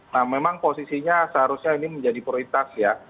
nah memang posisinya seharusnya ini menjadi prioritas ya